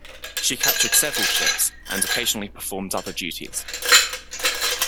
She captured several ships, and occasionally performed other duties.